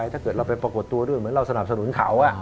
ถ้าเกิดเราไปปรับกรดดมันสนับสนุนเขา